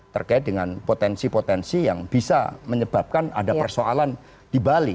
terkait dengan potensi potensi yang bisa menyebabkan ada persoalan di bali